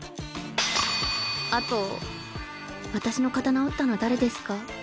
あと私の刀折ったの誰ですか？